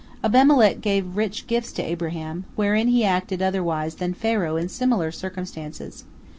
" Abimelech gave rich gifts to Abraham, wherein he acted otherwise than Pharaoh in similar circumstances.